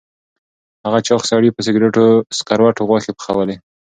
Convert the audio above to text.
هغه چاغ سړي په سکروټو غوښې پخولې.